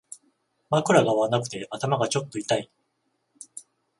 枕が合わなくて頭がちょっと痛い